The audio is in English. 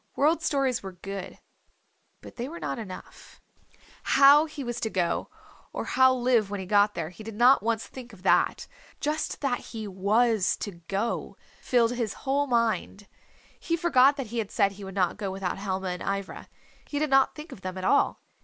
World Stories were good. But they were not enough. How he was to go, or how live when he got there he did not once think of that. Just that he was to go filled his whole mind. He forgot that he had said he would not go without Helma and Ivra. He did not think of them at all.